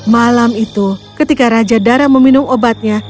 malam itu ketika raja dara meminum obatnya